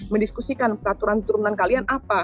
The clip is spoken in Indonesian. mendiskusikan peraturan turunan kalian apa